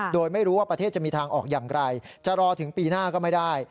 โดยไม่รู้ว่าประเทศจะมีทางออกอย่างไรจะรอถึงปีหน้าก็ไม่ได้